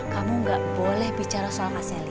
kamu gak boleh bicara soal kak sally